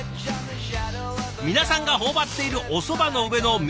皆さんが頬張っているおそばの上の緑色の野菜。